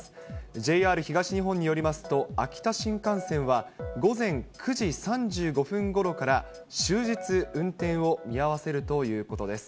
ＪＲ東日本によりますと、秋田新幹線は午前９時３５分ごろから、終日運転を見合わせるということです。